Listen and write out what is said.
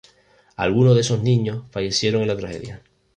Algunos de esos niños fallecieron en la tragedia.